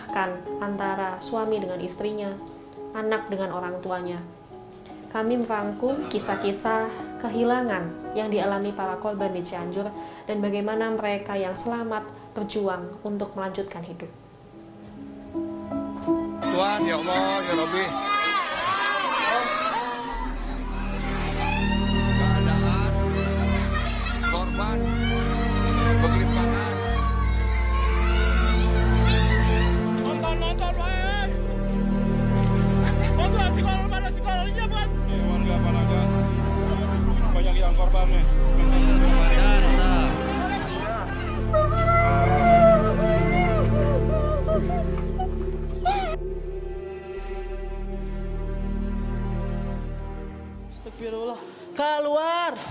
ketimpangan ketidakadilan masih menjadi pemandangan yang jamak di sekeliling kita